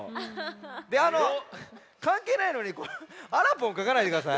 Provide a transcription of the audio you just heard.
であのかんけいないのにあらぽんかかないでください。